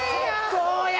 そうや！